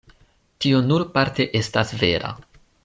Tio nur parte estas vera.